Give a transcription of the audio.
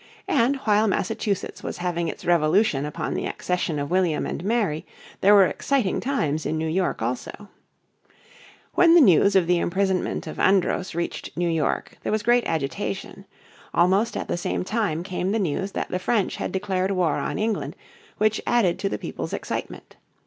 And while Massachusetts was having its revolution upon the accession of William and Mary there were exciting times in New York also. When the news of the imprisonment of Andros reached New York there was great agitation. Almost at the same time came the news that the French had declared war on England, which added to the people's excitement.